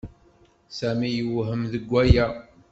Sami yewhem deg waya.